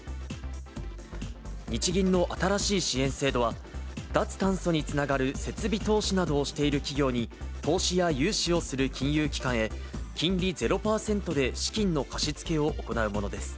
日銀の新しい支援制度は、脱炭素につながる設備投資などをしている企業に、投資や融資をする金融機関へ金利ゼロ％で資金の貸し付けを行うものです。